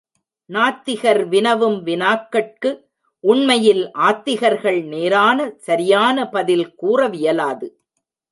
நாத்திகர் வினவும் வினாக்கட்கு உண்மையில் ஆத்திகர்கள் நேரான சரியான பதில் கூறவியலாது.